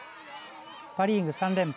パ・リーグ３連覇。